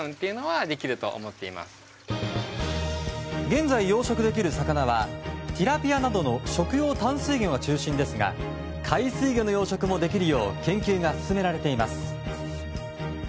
現在、養殖できる魚はティラピアなどの食用淡水魚が中心ですが海水魚の養殖もできるよう研究が進められています。